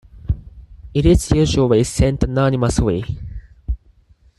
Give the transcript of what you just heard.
It is usually sent anonymously.